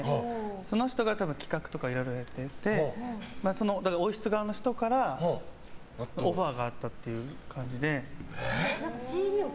その人が企画とかいろいろやってて王室側の人からオファーがあったという感じで。